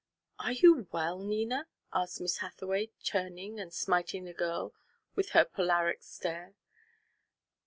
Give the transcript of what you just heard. "Are you well, Nina?" asked Miss Hathaway, turning and smiting the girl with her polaric stare.